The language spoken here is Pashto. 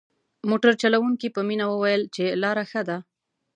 موټر چلوونکي په مينه وويل چې لاره ښه ده.